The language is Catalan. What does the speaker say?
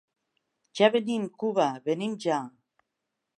Ja venim, Cuba! Venim ja!